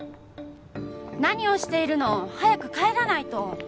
何をしているの。早く帰らないと！